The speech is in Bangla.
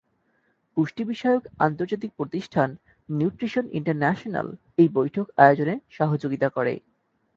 পুষ্টিবিষয়ক আন্তর্জাতিক প্রতিষ্ঠান নিউট্রিশন ইন্টারন্যাশনাল এই বৈঠক আয়োজনে সহযোগিতা করে।